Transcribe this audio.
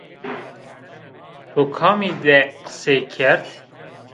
To kamî de qesey kerd?